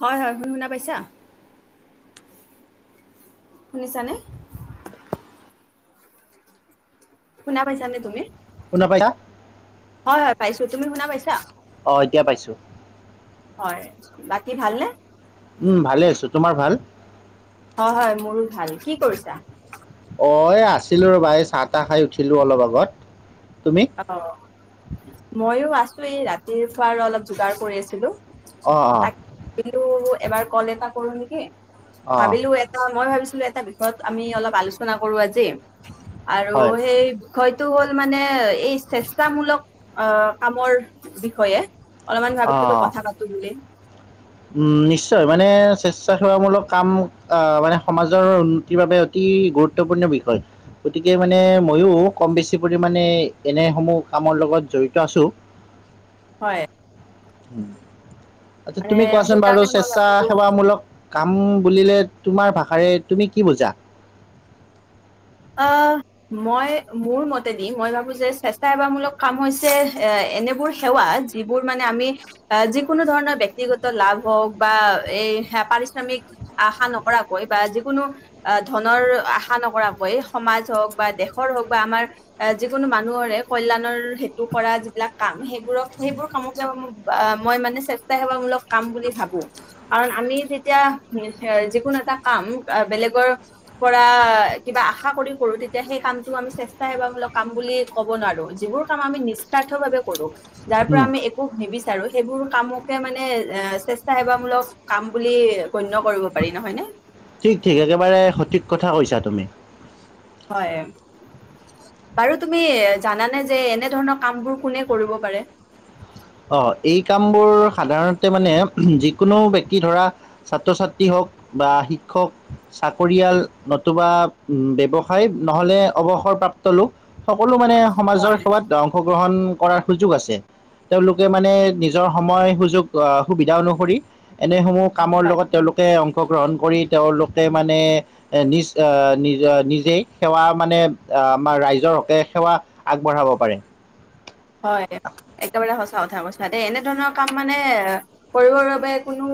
হয় হয় শুন শুনা পাইছা, শুনিছা নে? শুনা পাইছা নে তুমি? শুনা পাইছা? হয় হয় পাইছো। তুমি শুনা পাইছা? অ এতিয়া পাইছো। হয়, বাকী ভাল নে? উম ভালে আছো, তোমাৰ ভাল? হয় হয় মোৰো ভাল। কি কৰিছা? অ এ আছিলো ৰবা এই চাহ তাহ খাই উঠিলো অলপ আগত। তুমি? অ, মইয়ো আছো এই ৰাতিৰ খোৱাৰ অলপ যোগাৰ কৰি আছিলো। অ অ। তাক ভাবিলো এবাৰ কল এটা কৰো নেকি অ অ ভাবিলো এ টা মই ভাবিছিলো এটা বিষয়ত আমি অলপ আলোচনা কৰো আজি, আৰু হয় সেই বিষয়টো হ'ল মানে এই চেষ্টামূলক অ কামৰ বিষয়ে। অলপমান অ ভাবছিলো কথা পাতো বুলি। উম নিশ্চয় মানে স্বেচ্ছাসেৱামূলক কাম আহ মানে সমাজৰ উন্নতিৰ বাবে অতি গুৰুত্বপূৰ্ণ বিষয়। গতিকে মানে মইও কম বেছি পৰিামানে এনে সমূহ কামৰ লগত জড়িত আছো। হয়। আচ্ছা মানে তুমি কোৱাচোন বাৰু সেইকাৰণে মই ভাবিলো স্বেচ্ছাসেৱামূলক কাম বুলিলে তোমাৰ ভাষাৰে তুমি কি বুজা? অ মই মোৰ মতেদি মই ভাবো যে স্বেচ্চা সেৱামূলক কাম হৈছে এ এনেবোৰ সেৱা যিবোৰ মানে আমি যিকোনো ধৰণৰ ব্যক্তিগত লাভ হওক বা এই পাৰিশ্ৰমিক, আশা নকৰাকৈ বা যিকোনো ধনৰ আশা নকৰাকৈ এই সমাজ হওক বা দেশৰ হওক বা আমাৰ, এ যিকোনো মানুহৰে কল্যাণৰ হেতু কৰা যিবিলাক কাম সেইবোৰক সেইবোৰ কামক বা মই মানে স্বেচ্ছা সেৱামূলক কাম বুলি ভাবো। কাৰণ আমি যেতিয়া যিকোনো এটা কাম বেলেগৰ পৰা কিবা আশা কৰি কৰো তেতিয়া সেই কামটো আমি স্বেচ্ছাসেৱামূলক কাম বুলি ক'ব নোৱাৰো যিবোৰ কাম আমি নিচাথ ভাবে কৰো যাৰ পৰা উম আমি, নিবিচাৰো সেইবোৰ কামকে মানে এ স্বেচ্ছা সেৱা মূলক কাম বুলি গণ্য কৰো। পাৰি নহয় নে ঠিক ঠিক একেবাৰে সঠিক কথা কৈছা তুমি। হয়। বাৰু তুমি জানানে যে এনে ধৰণৰ কাম বোৰ কোনে কৰিব পাৰে। অ এই কামবোৰ সাধাৰণতে মানে যিকোনো বক্তি ধৰা ছাত্ৰ ছাত্ৰী হওক বা শিক্ষক। চাকৰিয়াল নতুবা ব্যৱসায় নহলে অৱসৰপ্ৰাপ্ত লোক সকলো মানে সমাজৰ সেৱাত অংশগ্ৰহণ কৰাৰ সুযোগ আছে তেওঁলোকে মানে নিজৰ সময় সুযোগ সুবিধা অনুসৰি এনেসমূহ, কামৰ হয় লগত তেওঁলোকে অংশগ্ৰহণ কৰি তেওঁলোকে মানে নিজ আহ নিজ নিজেই সেৱা মানে আহ আমাৰ ৰাইজৰ হকে সেৱা। আগবঢ়াব পাৰে। হয় একেবাৰে সচা কথা কৈচা এনেধৰণৰ কাম মানে কৰিবৰ বাবে কোনো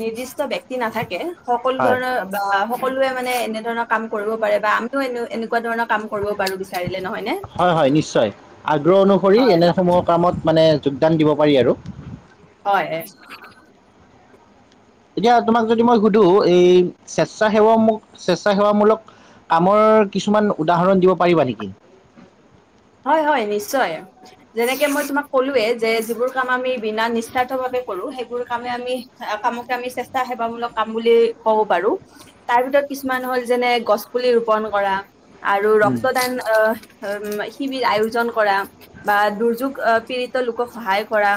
নিৰ্দিষ্ট ব্যক্তি নাথাকে সকলো হয় ধৰণৰ, বা সকলোৱে মানে এনে ধৰণৰ কাম কৰিব পাৰে বা আমিও এনে এনেকুৱা ধৰণৰ কাম কৰিব পাৰো বিচাৰিলে নহয় নে। হয় হয় নিশ্চয় আগ্ৰহ অনুসৰি হয় এনেসমূহৰ কামত মানে যোগদান দিব পাৰি আৰু হয় এ এতিয়া তোমাক যদি মই সুধো এই স্বেচ্ছাসেৱা স্বেচ্ছাসেৱামূলক কামৰ কিছুমান উদাহৰণ দিব পাৰিবা নেকি। হয় হয় নিশ্চয়। যেনেকে মই তোমাক কলোয়ে যে যিবোৰ কাম আমি বিনা নিস্বাৰ্থ ভাৱে কৰো সেইবোৰ কামে আমি কামকে আমি স্বেচ্ছাসেৱামূলক কাম বুলি কব পাৰো। তাৰ ভিতৰত কিছুমান হ'ল যেনে গছ পুলি ৰোপন কৰা। আৰু উম, ৰক্তদান শিবিৰ আয়োজন কৰা বা দুৰ্যোগ পীড়িত লোকক সহায় কৰা।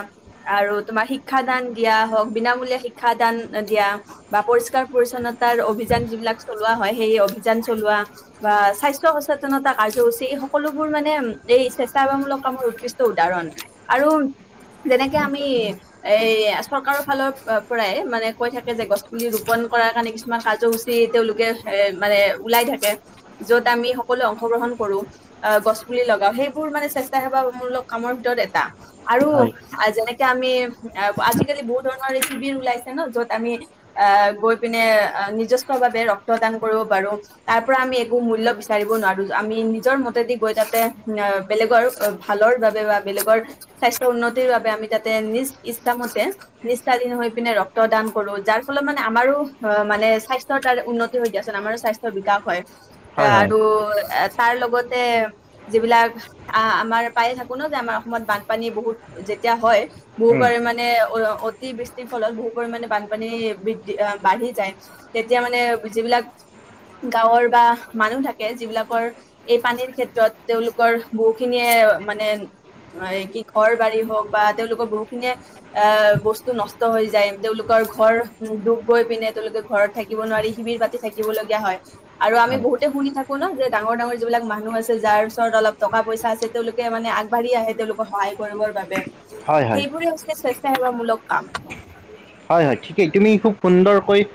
আৰু তোমাৰ শিক্ষাদান দিয়া হওক বিনামূলীয়া শিক্ষাদান দিয়া। বা পৰিষ্কাৰ পৰিছন্নতাৰ অভিযান যিবিলাক চলোৱা হয় সেই অভিযান চলোৱা। বা স্বাস্থ্য সচেতনতা কাৰ্যসূচী এই সকলোবোৰ মানে, মানে এই স্বেচ্ছাসেৱামূলক কামৰ উৎকৃষ্ট উদাহৰণ আৰু যেনেকে আমি এ চৰকাৰৰ ফালৰ পৰাই মানে কৈ থাকে যে গছ পুলি ৰোপন কৰাৰ কাৰণে কিছুমান কাৰ্যসূচী, তেওঁলোকে এ মানে ওলাই থাকে। য'ত আমি সকলোৱে অংশগ্ৰহণ কৰো গছ পুলি লগাও সেইবোৰ মানে চেষ্টা সেৱা মোৰ লগ কামৰ ভিতৰত এটা আৰু হয় আৰু যেনেকে আমি আজিকালি বহুত ধৰণৰ ৰেচিপিৰ ওলাইছে ন' য'ত আমি- আহ', -গৈ পিনে নিজচ্ছভাৱে ৰক্তদান কৰিব পাৰো। তাৰপৰা আমি একো মূল্য বিচাৰিব নোৱাৰো আমি নিজৰ মতে দি গৈ থাকো। তে বেলেগৰ ভালৰ বাবে বা বেলেগৰ- স্বাস্থ্য উন্নতিৰ বাবে আমি তা'তে নিজ ইচ্ছা মতে- নিষ্ঠাধীন হৈ পিনে ৰক্তদান কৰোঁ। যাৰ ফলত মানে আমাৰো অ' মানে স্বাস্থ্যৰ তাৰ উন্নত- হৈ দিয়াচোন, আমাৰো স্বাস্থ্যৰ বিকাশ হয়। এ' হয় হয় আৰু এ' তাৰ লগতে- যিবিলাক আ-আমাৰ পায়ে থাকো ন' যে আমাৰ অসমত বানপানী বহুত যেতিয়া হয়। বহু উম, পৰিমাণে অ-অতি বৃষ্টিৰ ফলত বহু পৰিমণে বানপানী বৃদ্ধি বাঢ়ি যায়। তেতিয়া মানে যিবিলাক- গাঁৱৰ বা মানুহ থাকে যিবিলাকৰ এই পানীৰ ক্ষেত্ৰত- তেওঁলোকৰ বহুখিনিয়ে মানে- আঁহ', -কি ঘৰ বাৰী হওঁক বা তেওঁলোকৰ বহুখিনিয়ে- এ' বস্তু নষ্ট হৈ যায়, তেওঁলোকৰ ঘৰ ডুব গৈ পিনে তেওঁলোকে ঘৰত- থাকিব নোৱাৰি, শিবিৰ পাতি থাকিব লগীয়া হয়। আৰু আমি হয় বহুতে শুনি থাকো- ন' যে ডাঙৰ-ডাঙৰ যিবিলাক মানুহ আছে যাৰ- ওচৰত অলপ টকা-পইছা আছে, তেওঁলোকে মানে আগবাঢ়ি আহে তেওঁলোক সহায়- কৰিবৰ বাবে, হয় হয় সেইবোৰে হৈছে স্বেচ্ছ সেৱামূলক কাম। হয়-হয়, ঠিকেই। তুমি খুব সুন্দৰকৈ-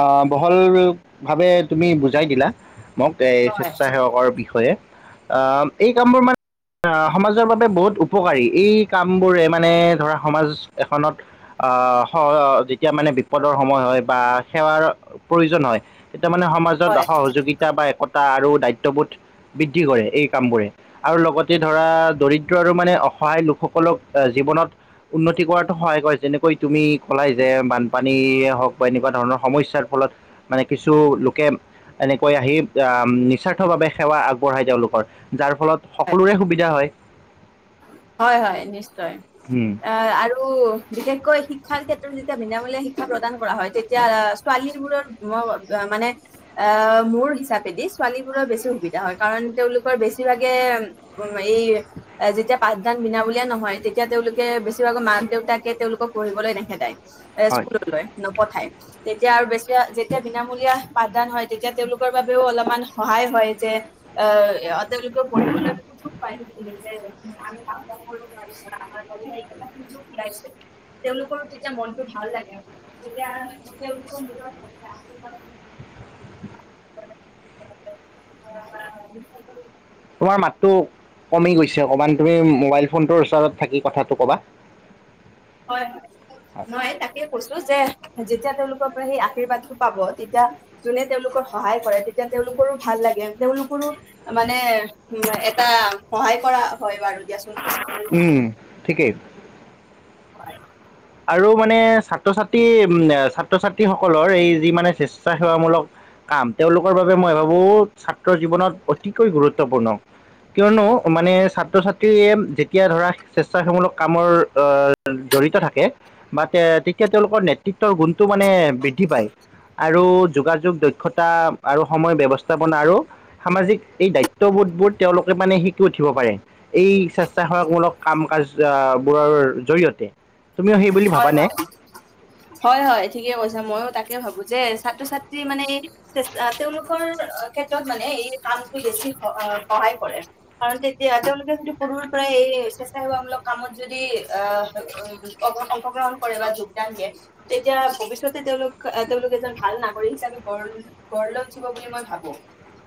আহ', -বহলভাৱে তুমি বুজাই দিলা। মোক এই হয় স্বেচ্ছাসেৱকৰ বিষয়ে। আহ', -এই কামবোৰ মানে- সমাজৰ বাবে বহুত উপকাৰী। এই কামবোৰে মানে ধৰা সমাজ এখনত- আহ', - স' যেতিয়া মানে বিপদৰ সময় হয় বা সেৱাৰ- প্ৰয়োজন হয়, তেতিয়া মানে সমাজত হয় সহযোগিতা বা একতা আৰু দায়িত্ববোধ- বৃদ্ধি কৰে এই কামবোৰে। আৰু লগতে ধৰা দৰিদ্ৰ আৰু মানে অসহায় লোকসকলক এ' জীৱনত- উন্নতি কৰাতো সহায় কৰে। যেনেকৈ তুমি ক'লাই যে বানপানীয়ে হওঁক বা এনেকুৱা ধৰণৰ সমস্যাৰ ফলত- মানে কিছু লোকে এনেকৈ আহি নিস্বাৰ্থভাৱে সেৱা আগবঢ়ায় তেওঁলোকৰ। যাৰ ফলত সকলোৰে সুবিধা হয়। হয়-হয় নিশ্চয়। উম, এ' আৰু- বিশেষকৈ শিক্ষাৰ ক্ষেত্ৰত যেতিয়া বিনামূলীয়া শিক্ষা- প্ৰদান কৰা হয়, তেতিয়া ছোৱালীবোৰৰ ম-মানে- আঁহ', -মোৰ হিচাপে দি ছোৱালীবোৰৰ বেছি সুবিধা হয়, কাৰণ তেওঁলোকৰ বেছিভাগে- উমঁ, এই- এ' যেতিয়া পাঠদান বিনামূলীয়া নহয়, তেতিয়া তেওঁলোকে বেছিভাগৰ মাক-দেউতাকে তেওঁলোকক পঢ়িবলৈ নেখেদাই। এ' হয়। স্কুললৈ নপঠায়। তেতিয়া আৰু বেছি যেতিয়া বিনামূলীয়া পাঠদান হয়, তেতিয়া তেওঁলোকৰ বাবেও অলপমান সহায় হয় যে- আঁহ', -তেওঁলোকে পঢ়িবলৈ সুযোগ পায় যে- আমি [inaudible] তেওঁলোকৰো তেতিয়া মনটো ভাল লাগে। তেতিয়া তেওঁলোকৰ নিজৰ [inaudible] [inaudible] তোমাৰ মাতটো কমি গৈছে অকণমান তুমি মোবাইল ফোনটোৰ ওচৰত থাকি কথাটো কবা। হয়। নহয় তাকে কৈছো, যে যেতিয়া তেওঁলোকৰ পৰা সেই আশীৰ্বাদটো পাব তেতিয়া যোনে তেওঁলোকৰ সহায় কৰে, তেতিয়া তেওঁলোকৰো ভাল লাগে। তেওঁলোকৰো মানে উম, এটা সহায় কৰা হয় বাৰু, দিয়াচোন। উম, ঠিকেই। হয়। আৰু মানে ছাত্ৰ-ছাত্ৰী উম, ছাত্ৰ-ছাত্ৰীসকলৰ, এই যি মানে স্বেচ্ছাসেৱামূলক কাম। তেওঁলোকৰ বাবে মই ভাবোঁ, ছাত্ৰ জীৱনত অতিকৈ গুৰুত্বপূৰ্ণ। কিয়নো মানে, ছাত্ৰ- ছাত্ৰীয়ে যেতিয়া ধৰা, স্বেচ্ছাসেৱামূলক কামৰ অ জড়িত থাকে। বা তে- তেতিয়া তেওঁলোকৰ নেতৃত্বৰ গুণটো মানে বৃদ্ধি পায়। আৰু যোগাযোগ দক্ষতা আৰু সময় ব্যৱস্থাপনাৰ আৰু সামাজিক, এই দায়িত্ববোধবোৰ তেওঁলোকে মানে শিকি উঠিব পাৰে। এই স্বেচ্ছাসেৱামূলক কাম- কাজ অহ, বোৰৰ জৰিয়তে তুমিও সেই বুলি হয়- ভাবানে হয়। হয়- হয়, ঠিকে কৈছা। মইও তাকে ভাবোঁ যে, ছাত্ৰ- ছাত্ৰী মানেই তেওঁলোকৰ ক্ষেত্ৰত মানে, এই কামটো বেছি সহায় কৰে। কাৰণ তেতিয়া তেওঁলোকে, যদি সৰুৰ পৰাই এই স্বেচ্ছাসেৱামূলক কামত যদি আহ, অ- অংশগ্ৰহণ কৰে বা যোগদান দিয়ে তেতিয়া, ভৱিষ্যতে তেওঁলোক আহ, তেওঁলোক এজন ভাল নাগৰিক হিচাপে গঢ় গঢ় লৈ উঠিব বুলি মই ভাবোঁ।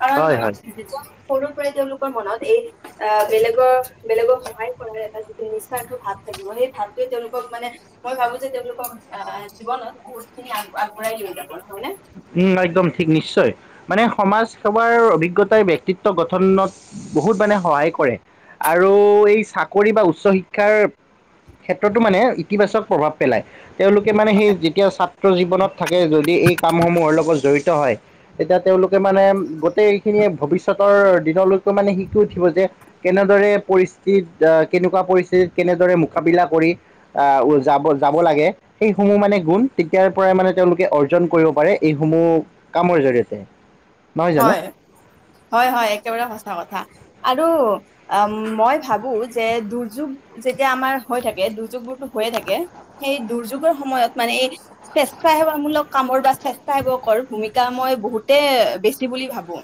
কাৰণ হয় হয় যেতিয়া সৰুৰ পৰাই তেওঁলোকৰ মনত এই অ, বেলেগৰ, বেলেগক সহায় কৰাৰ এটা যিটো নিচাটো ভাৱ থাকিব। সেই ভাৱটোৱে তেওঁলোক মানে, মই ভাবোঁ যে, তেওঁলোকক জীৱনত বহুত খিনি আগবঢ়াই লৈ যাব, হয় নে? উম, একদম ঠিক নিশ্চয়, মানে সমাজ সেৱাৰ অভিজ্ঞতাই ব্যক্তিত্ব গঠনত বহুত মানে সহায় কৰে। আৰু এই চাকৰি বা উচ্চ শিক্ষাৰ ক্ষেত্ৰতো মানে ইতিবাচক প্ৰভাৱ পেলায়। তেওঁলোকে মানে সেই যেতিয়া ছাত্ৰ জীৱনত থাকে, যদি এই কামৰ লগত জড়িত হয়। তেতিয়া তেওঁলোকে মানে গোটেইখিনিয়েই ভৱিষ্যত ভৱিষ্যতৰ দিনলৈকে মানে, শিকি উঠিব। যে কেনেদৰে পৰিস্থিতি আহ, কেনেকুৱা পৰিস্থিতিত, কেনেদৰে মোকাবিলা কৰি যাব- যাব লাগে। সেইসমূহ মানে গুণ তেতিয়াৰ পৰাই মানে তেওঁলোকে অৰ্জন কৰিব পাৰে। এইসমূহ কামৰ জৰিয়তে। নহয় জানো? হয়- হয়- হয়, একেবাৰে সঁচা কথা। আৰু অ, মই ভাবোঁ, যে দুৰ্যোগ যেতিয়া আমাৰ হৈ থাকে, দুৰ্যোগবোৰটো হৈয়ে থাকে। সেই দুৰ্যোগৰ সময়ত মানে, এই স্বেচ্ছাসেৱামূলক কামৰ বা স্বেচ্ছাসেৱকৰ ভূমিকা মই বহুতে, বেছি বুলি ভাবোঁ,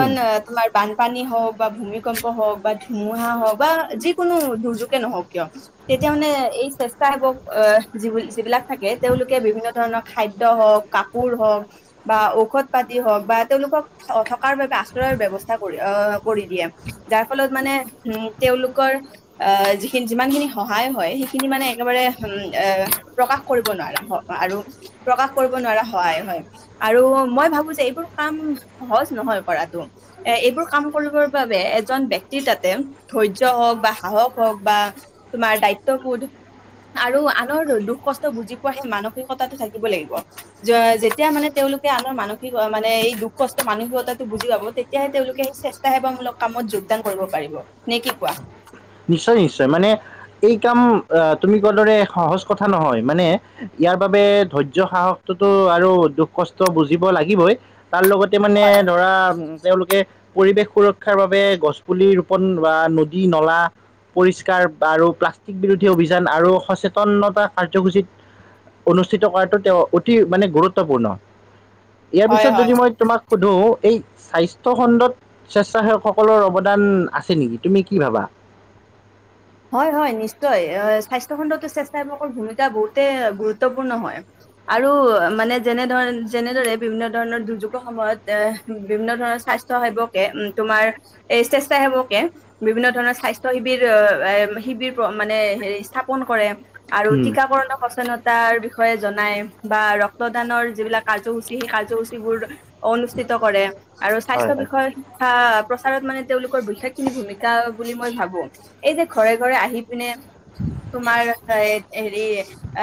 উম তোমাৰ বানপানী হওঁক বা ভূমিকম্প হওঁক বা ধুমুহা হওঁক বা যিকোনো দুৰ্যোগে নহওঁক কিয়, তেতিয়া মানে এই স্বেচ্ছাসেৱক আহ, যি- যিবিলাক থাকে। তেওঁলোকে বিভিন্ন ধৰণৰ খাদ্য হওঁক কাপোৰ হওঁক বা ঔষধ পাতি হওঁক বা তেওঁলোকক থকাৰ বাবে অশ্ৰয়ৰ ব্যৱস্থা কৰি আহ, কৰি দিয়ে। যাৰ ফলত মানে উম, তেওঁলোকৰ আহ, যিখিনি, যিমান খিনি সহায় হয়, সেইখিনি মানে একেবাৰে এ উম, প্ৰকাশ কৰিব নোৱাৰাৰে। আৰু প্ৰকাশ কৰিব নোৱাৰা হয়- হয়, আৰু মই ভাবোঁ যে এইবোৰ সহজ নহয় কৰাটো। এ এইবোৰ কাম কৰিবৰ বাবে এজন ব্যক্তি তাতে ধৈৰ্য হওঁক বা সাহস হওঁক বা তোমাৰ দায়িত্ববোধ আৰু আনৰ দুখ কষ্ট বুজি পোৱা, সেই মানসিকতাটো থাকিব লাগিব। যেতিয়া মানে তেওঁলোকে আনৰ মানসিক মানে এই দুখ কষ্ট মানসিকতাটো বুজি পাব তেতিয়াহে তেওঁলোকেই স্বেসাসেৱামূলক কামত যোগদান কৰিব পাৰিব। নে কি কোৱা? নিশ্চয় নিশ্চয় মানে এই কাম অ', তুমি কোৱা দৰে সহজ কথা নহয় মানে ইয়াৰ বাবে ধৈৰ্য্য সাহস টোতো আৰু দুখ কষ্ট বুজিব লাগিবই তাৰ লগতে মানে ধৰা তেওঁলোকে পৰিৱেশ সুৰক্ষাৰ বাবে গছপুলি ৰোপণ বা নদী নলা পৰিষ্কাৰ আৰু প্লাষ্টিক বিৰোধী অভিযান আৰু সচেতনতা কাৰ্যসূচীত অনুষ্ঠিত কৰাটো তেওঁ অতি মানে গুৰুত্বপূৰ্ণ, ইয়াৰ হয় পিছত হয় যদি মই তোমাক সুধো এই স্বাস্থ্য খণ্ডত স্বেচ্ছাসেৱকসকলৰ অৱদান আছে নেকি? তুমি কি ভাবা? হয়, হয়, নিশ্চয় স্বাস্থ্যখণ্ডতো স্বেচ্ছাসেৱকৰ ভূমিকা বহুতেই গুৰুত্বপূৰ্ণ হয়। আৰু মানে যেনে ধৰ যেনেদৰে বিভিন্ন ধৰণৰ দুৰ্যোগৰ সময়ত অ', বিভিন্ন ধৰণৰ স্বাস্ সেৱকে উম, তোমাৰ স্বেচ্ছাসেৱকে বিভিন্ন ধৰণৰ স্বাস্থ্য শিবিৰ এ, শিবিৰ মানে হেৰি স্থাপন কৰে, আৰু উম, টীকা কৰণৰ প্ৰচনত তাৰ বিষয়ে জনাই বা ৰক্তদানৰ যিবিলাক কাৰ্যসূচী সেই কাৰ্যসূচীবোৰ অনুষ্ঠিত কৰে আৰু হয় স্বাস্থ্য হয় বিষয়ে বা প্ৰচাৰত মানে তেওঁলোকৰ বিশেষখিনি ভূমিকা বুলি মই ভাবো এই যে, ঘৰে, ঘৰে আহি পিনে, তোমাৰ এ হেৰি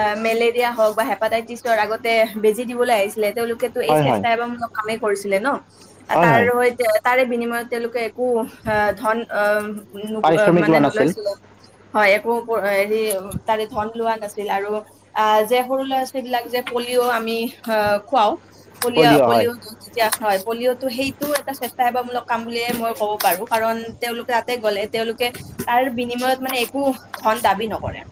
অ', মেলেৰিয়া হওঁক বা হেপাটাইটিছৰ আগতে বেজি দিবলৈ আহিছিলে, তেওঁলোকে ত, এই হয় হয় চেষ্টা সেৱক, মূল কামেই কৰিছিলে ন', হয় তাৰ হয় হৈ তাৰে বিনিময়ত তেওঁলোকে ক, অ', ধন অ', পাৰিশ্ৰমিক মানে লোৱা নাছিল নলৈছিলে হয়, একো হেৰি তাৰে ধন লোৱা নাছিল আৰু আহ, যে, সৰু, ল'ৰা ছোৱালীবিলাক যে, পলিঅ, আমি আহ, খুৱও পলিঅ, পলিঅ এতিয়া হয়, পলিঅ'টো সেইটো এটা স্বেচ্ছাসেৱকমূলক কাম বুলিয়ে মই ক'ব পাৰোঁ কাৰণ তেওঁলোকে তাতে গ'লে তেওঁলোকে তাৰ বিনিময়ত মানে একো ধন দাবী নকৰে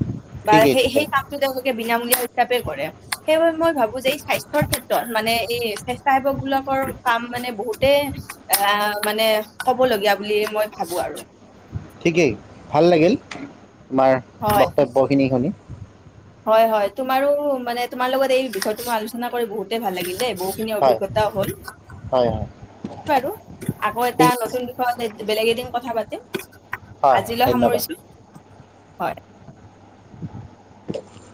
বা ঠিকেই সেই ঠিকেই সেই কাম টো তেওঁলোকে বিনামূলীয়া হিচাপে কৰে সেইবাবে মই ভাবো যে এই স্বাস্থ্যৰ ক্ষেত্ৰত মানে এই স্বেচ্ছাসেৱকবিলাকৰ কাম মানে বহুতেই অহ, মানে হ'বলগীয়া বুলি মই ভাবো আৰু। ঠিকেই ভাল লাগিল, তোমাৰ হয় বক্তব্যখিনি শুনি। হয়, হয়, তোমাৰো মানে, তোমাৰ লগত এই বিষয়টো মই আলোচনা কৰি বহুতে ভাল লাগিল দে, বহুত। খিনি হয় অভিজ্ঞতাও হ'ল হয় হয় বাৰু। আকৌ ঠিক এটা নতুন বিষয়ত এদ বেলেগ এদিন কথা পাতিম। হয় হয় আজিলৈ ধন্যবাদ সামৰিছো, হয়। [inaudible]